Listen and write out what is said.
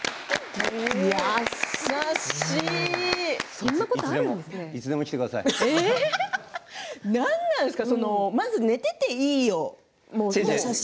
そんなことあるんですね。